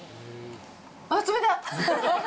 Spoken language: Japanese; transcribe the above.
あっ、冷たっ！